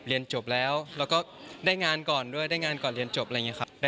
ที่จะไปววดทศแทนคุณพ่อคุณแม่ต่อทันทีเลยนะคะ